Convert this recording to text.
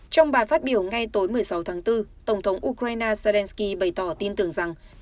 trong bài phát biểu ngay tối một mươi sáu tháng bốn tổng thống ukraine zelensky bày tỏ tin tưởng rằng